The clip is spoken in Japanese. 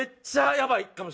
やばい？